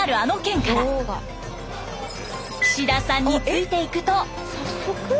岸田さんについていくと。